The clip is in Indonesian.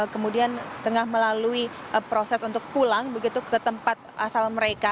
kemudian tengah melalui proses untuk pulang begitu ke tempat asal mereka